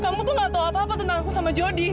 kamu tuh gak tau apa apa tentang aku sama jody